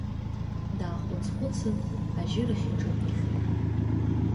Даахәыцхәыцын, ажьырахь иҿынеихеит.